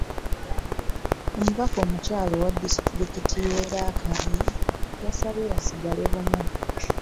Omubaka omukyala owa disitulikiti y’e Rakai yabasabye basigale bumu.